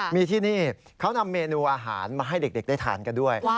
มีที่นี่เขานำเมนูอาหารมาให้เด็กได้ทานกันด้วย